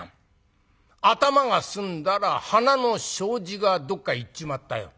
頭が済んだら鼻の障子がどっか行っちまったよ。